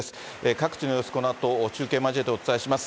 各地の様子、このあと中継交えてお伝えします。